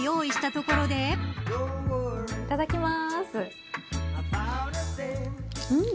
いただきます。